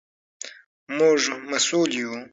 موږ مسوول یو.